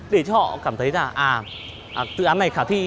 để cho họ cảm thấy là à dự án này khả thi